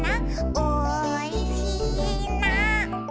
「おいしいな」